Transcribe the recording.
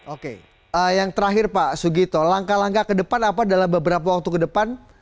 oke yang terakhir pak sugito langkah langkah ke depan apa dalam beberapa waktu ke depan